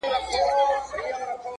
اوس د زلمیو هوسونو جنازه ووته.!